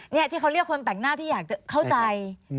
นี่ที่เขาเรียกคนแต่งหน้าที่อยากจะเข้าใจ